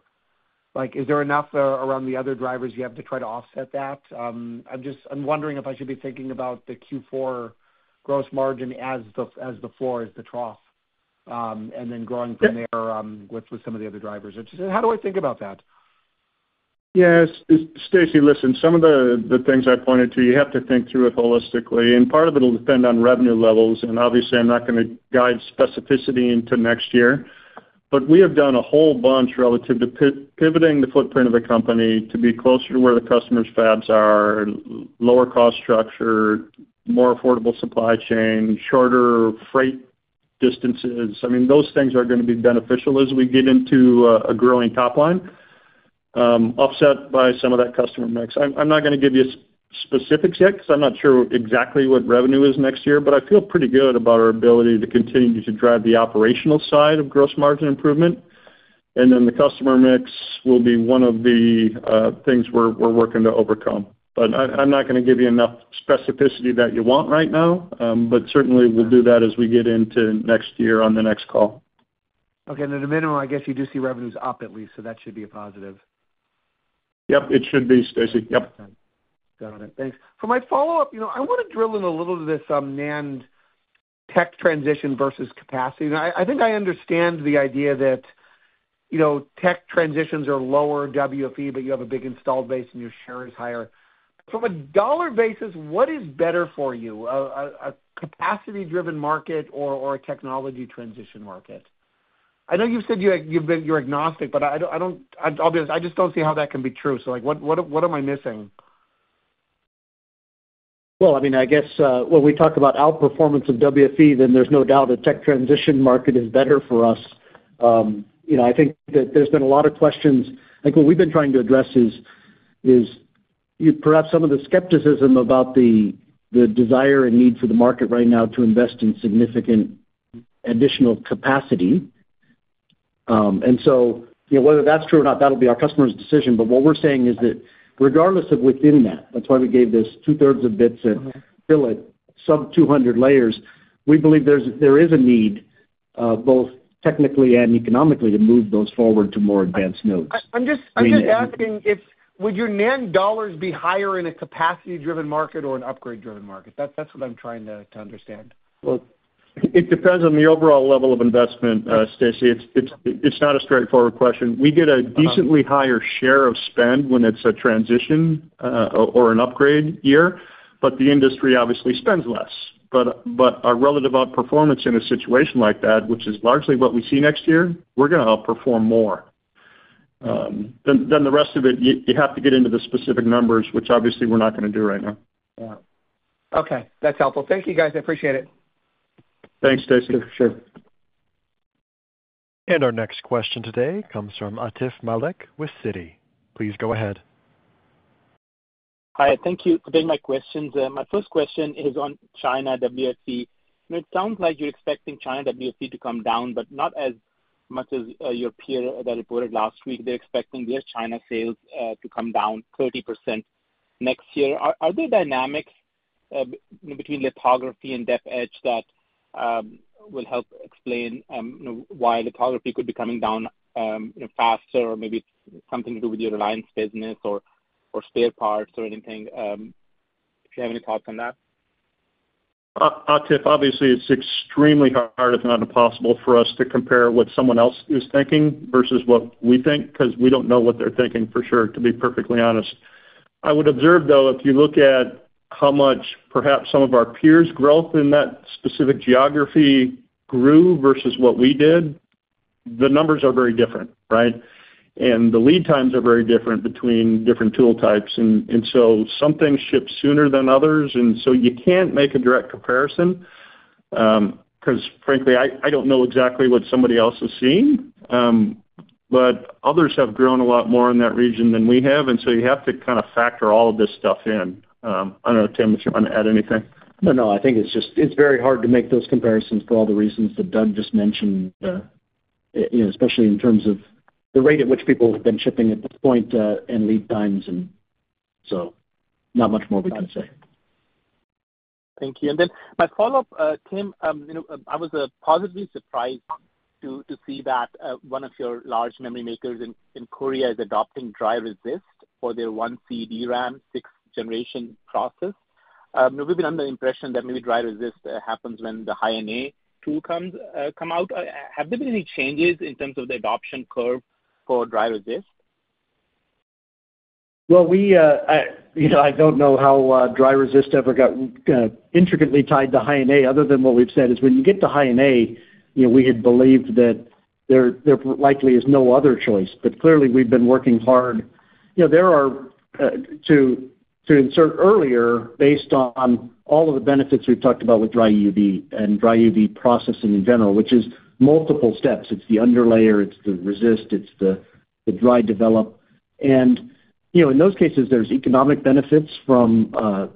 like, is there enough around the other drivers you have to try to offset that? I'm wondering if I should be thinking about the Q4 gross margin as the floor, as the trough, and then growing from there, with some of the other drivers. How do I think about that? Yes, it's Stacy, listen, some of the things I pointed to, you have to think through it holistically, and part of it will depend on revenue levels. And obviously, I'm not gonna guide specificity into next year. But we have done a whole bunch relative to pivoting the footprint of the company to be closer to where the customer's fabs are, lower cost structure, more affordable supply chain, shorter freight distances. I mean, those things are gonna be beneficial as we get into a growing top line, offset by some of that customer mix. I'm not gonna give you specifics yet, because I'm not sure exactly what revenue is next year, but I feel pretty good about our ability to continue to drive the operational side of gross margin improvement. And then the customer mix will be one of the things we're working to overcome. But I'm not gonna give you enough specificity that you want right now, but certainly we'll do that as we get into next year on the next call. Okay, and at a minimum, I guess, you do see revenues up at least, so that should be a positive. Yep, it should be, Stacy. Yep. Got it. Thanks. For my follow-up, you know, I wanna drill in a little to this, NAND tech transition versus capacity. Now, I, I think I understand the idea that, you know, tech transitions are lower WFE, but you have a big installed base and your share is higher. From a dollar basis, what is better for you, a capacity-driven market or a technology transition market? I know you've said you're agnostic, but I don't, I don't... I'll be honest, I just don't see how that can be true. So like, what am I missing? I mean, I guess, when we talk about outperformance of WFE, then there's no doubt a tech transition market is better for us. You know, I think that there's been a lot of questions. I think what we've been trying to address is perhaps some of the skepticism about the desire and need for the market right now to invest in significant additional capacity. And so, you know, whether that's true or not, that'll be our customer's decision. But what we're saying is that regardless of within that, that's why we gave this two-thirds of bits and fill it sub-200 layers. We believe there is a need, both technically and economically, to move those forward to more advanced nodes. I'm just- I mean- I'm just asking if, would your NAND dollars be higher in a capacity-driven market or an upgrade-driven market? That's, that's what I'm trying to, to understand. It depends on the overall level of investment, Stacy. It's not a straightforward question. We get a decently higher share of spend when it's a transition or an upgrade year, but the industry obviously spends less. But our relative outperformance in a situation like that, which is largely what we see next year, we're gonna outperform more. Then the rest of it, you have to get into the specific numbers, which obviously we're not gonna do right now. Yeah. Okay, that's helpful. Thank you, guys. I appreciate it. Thanks, Stacy. Sure. And our next question today comes from Atif Malik with Citi. Please go ahead. Hi, thank you for taking my questions. My first question is on China WFE. It sounds like you're expecting China WFE to come down, but not as much as your peer that reported last week. They're expecting their China sales to come down 30% next year. Are there dynamics between lithography and DAF edge that will help explain you know why lithography could be coming down you know faster or maybe something to do with your alliance business or spare parts or anything if you have any thoughts on that? Atif, obviously, it's extremely hard, if not impossible, for us to compare what someone else is thinking versus what we think, because we don't know what they're thinking for sure, to be perfectly honest. I would observe, though, if you look at how much perhaps some of our peers' growth in that specific geography grew versus what we did, the numbers are very different, right? And the lead times are very different between different tool types. And so some things ship sooner than others, and so you can't make a direct comparison, because frankly, I don't know exactly what somebody else is seeing. But others have grown a lot more in that region than we have, and so you have to kind of factor all of this stuff in. I don't know, Tim, if you want to add anything? No, no, I think it's just... It's very hard to make those comparisons for all the reasons that Doug just mentioned, you know, especially in terms of the rate at which people have been shipping at this point, and lead times, and so not much more we can say. Thank you. And then my follow-up, Tim, you know, I was positively surprised to see that one of your large memory makers in Korea is adopting dry resist for their 1CD DRAM, sixth-generation process. We've been under the impression that maybe dry resist happens when the high-NA tool comes out. Have there been any changes in terms of the adoption curve for dry resist? I, you know, I don't know how dry resist ever got intricately tied to high-NA other than what we've said is, when you get to high-NA, you know, we had believed that there likely is no other choice. But clearly, we've been working hard. You know, there are two to insert earlier, based on all of the benefits we've talked about with dry EUV and dry EUV processing in general, which is multiple steps. It's the underlayer, it's the resist, it's the dry develop. And, you know, in those cases, there's economic benefits from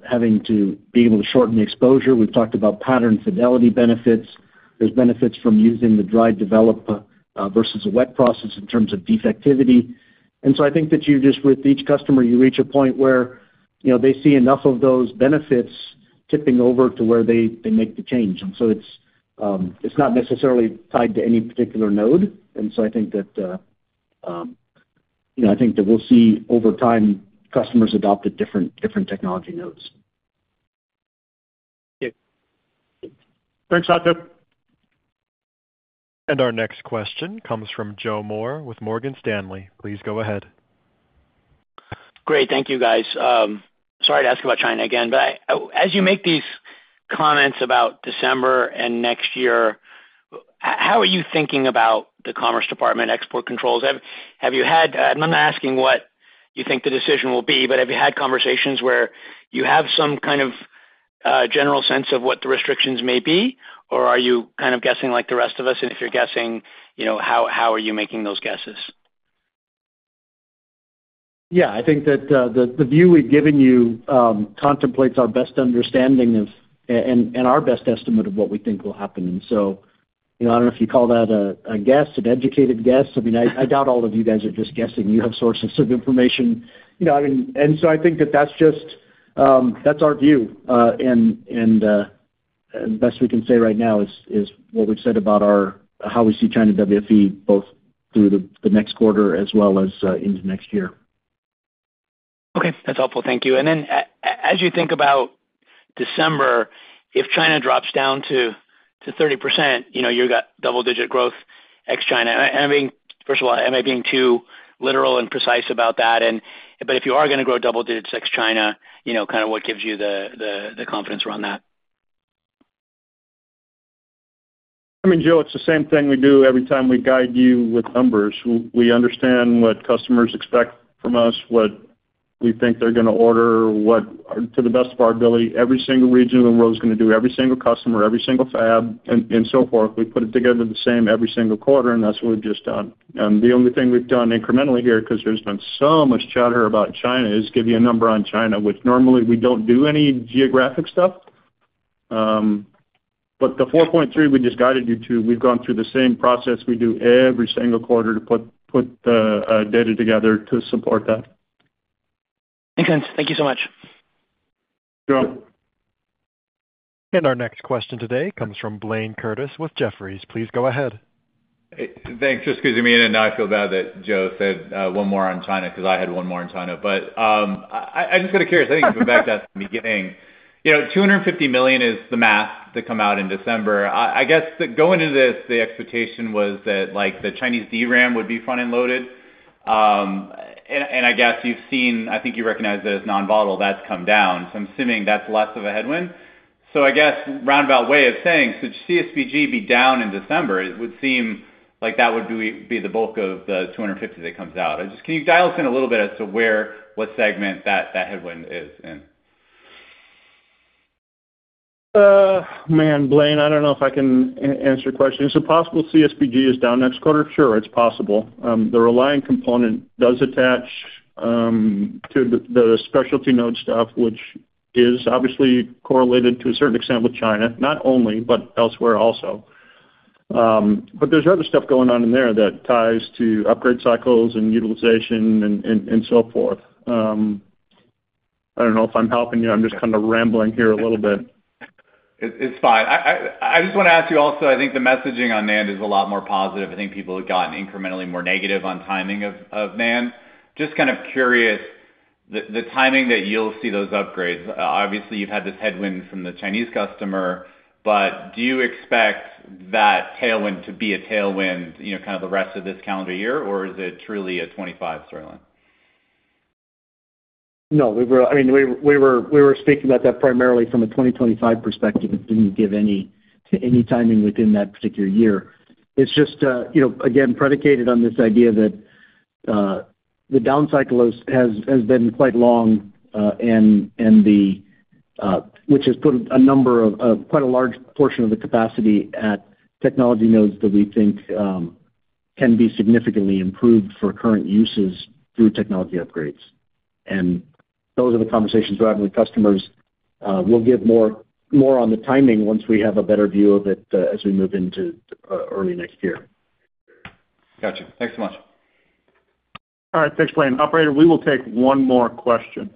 having to be able to shorten the exposure. We've talked about pattern fidelity benefits. There's benefits from using the dry develop versus a wet process in terms of defectivity. And so I think that you just, with each customer, you reach a point where, you know, they see enough of those benefits tipping over to where they make the change. And so it's not necessarily tied to any particular node. And so I think that, you know, I think that we'll see over time, customers adopt at different technology nodes.... Thanks, Satya. Our next question comes from Joe Moore with Morgan Stanley. Please go ahead. Great. Thank you, guys. Sorry to ask about China again, but as you make these comments about December and next year, how are you thinking about the Commerce Department export controls? Have you had, and I'm not asking what you think the decision will be, but have you had conversations where you have some kind of general sense of what the restrictions may be? Or are you kind of guessing like the rest of us, and if you're guessing, you know, how are you making those guesses? Yeah, I think that the view we've given you contemplates our best understanding of and our best estimate of what we think will happen, and so, you know, I don't know if you call that a guess, an educated guess. I mean, I doubt all of you guys are just guessing. You have sources of information. You know, I mean, and so I think that that's just our view, and the best we can say right now is what we've said about our, how we see China WFE, both through the next quarter as well as into next year. Okay, that's helpful. Thank you. And then as you think about December, if China drops down to 30%, you know, you've got double digit growth ex China. I mean, first of all, am I being too literal and precise about that? And but if you are going to grow double digits ex China, you know, kind of what gives you the confidence around that? I mean, Joe, it's the same thing we do every time we guide you with numbers. We understand what customers expect from us, what we think they're going to order, what, to the best of our ability, every single region of the world is going to do, every single customer, every single fab, and so forth. We put it together the same every single quarter, and that's what we've just done. And the only thing we've done incrementally here, 'cause there's been so much chatter about China, is give you a number on China, which normally we don't do any geographic stuff. But the four point three we just guided you to, we've gone through the same process we do every single quarter to put data together to support that. Makes sense. Thank you so much. Sure. Our next question today comes from Blaine Curtis with Jefferies. Please go ahead. Hey, thanks. Just because, you mean, and now I feel bad that Joe said one more on China, 'cause I had one more on China. But I'm just kind of curious. I think going back to the beginning, you know, two hundred and fifty million is the math to come out in December. I guess going into this, the expectation was that, like, the Chinese DRAM would be front-end loaded. And I guess you've seen. I think you recognize that as non-volatility, that's come down, so I'm assuming that's less of a headwind. So I guess roundabout way of saying, should CSBG be down in December, it would seem like that would be the bulk of the two hundred and fifty that comes out. I just... Can you dial us in a little bit as to where, what segment that, that headwind is in? Man, Blaine, I don't know if I can answer your question. Is it possible CSBG is down next quarter? Sure, it's possible. The Reliant component does attach to the specialty node stuff, which is obviously correlated to a certain extent with China, not only, but elsewhere also, but there's other stuff going on in there that ties to upgrade cycles and utilization and so forth. I don't know if I'm helping you. I'm just kind of rambling here a little bit. It's fine. I just want to ask you also. I think the messaging on NAND is a lot more positive. I think people have gotten incrementally more negative on timing of NAND. Just kind of curious, the timing that you'll see those upgrades. Obviously, you've had this headwind from the Chinese customer, but do you expect that tailwind to be a tailwind, you know, kind of the rest of this calendar year, or is it truly a 2025 storyline? No, I mean, we were speaking about that primarily from a twenty twenty-five perspective. It didn't give any timing within that particular year. It's just, you know, again, predicated on this idea that the downcycle has been quite long, and which has put a number of quite a large portion of the capacity at technology nodes that we think can be significantly improved for current uses through technology upgrades, and those are the conversations we're having with customers. We'll give more on the timing once we have a better view of it, as we move into early next year. Gotcha. Thanks so much. All right. Thanks, Blaine. Operator, we will take one more question.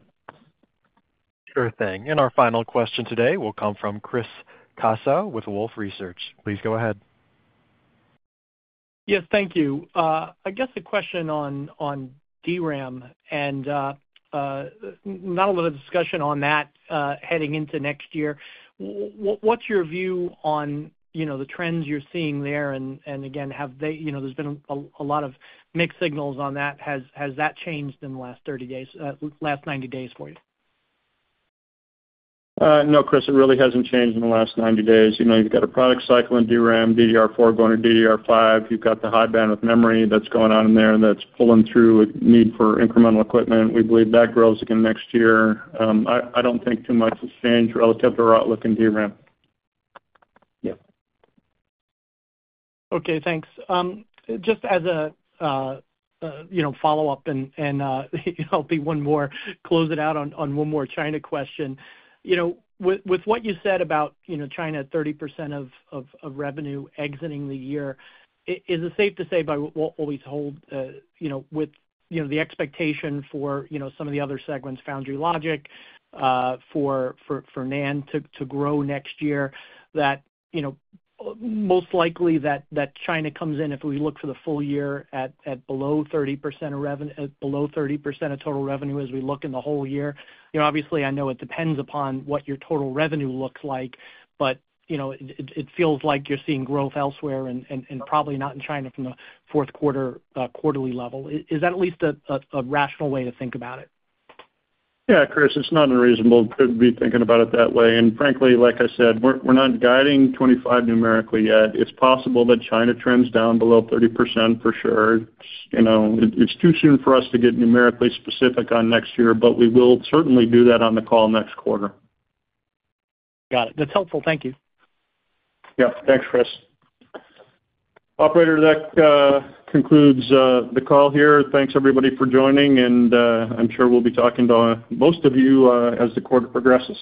Sure thing. And our final question today will come from Chris Caso with Wolfe Research. Please go ahead. Yes, thank you. I guess the question on DRAM and not a lot of discussion on that heading into next year. What's your view on, you know, the trends you're seeing there? And again, have they, you know, there's been a lot of mixed signals on that. Has that changed in the last thirty days, last ninety days for you? No, Chris, it really hasn't changed in the last ninety days. You know, you've got a product cycle in DRAM, DDR4 going to DDR5. You've got the high bandwidth of memory that's going on in there and that's pulling through a need for incremental equipment. We believe that grows again next year. I don't think too much has changed relative to our outlook in DRAM. Yeah. Okay, thanks. Just as a you know follow up and I'll be one more, close it out on one more China question. You know, with what you said about you know China 30% of revenue exiting the year, is it safe to say by what we hold you know with the expectation for you know some of the other segments Foundry logic for NAND to grow next year, that you know most likely that China comes in, if we look for the full year, at below 30% of total revenue as we look in the whole year? You know, obviously, I know it depends upon what your total revenue looks like, but, you know, it feels like you're seeing growth elsewhere and probably not in China from the fourth quarter, quarterly level. Is that at least a rational way to think about it? Yeah, Chris, it's not unreasonable to be thinking about it that way. And frankly, like I said, we're not guiding 25 numerically yet. It's possible that China trends down below 30%, for sure. You know, it's too soon for us to get numerically specific on next year, but we will certainly do that on the call next quarter. Got it. That's helpful. Thank you. Yeah. Thanks, Chris. Operator, that concludes the call here. Thanks, everybody, for joining, and I'm sure we'll be talking to most of you as the quarter progresses.